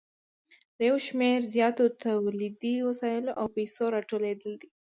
د یو شمېر زیاتو تولیدي وسایلو او پیسو راټولېدل دي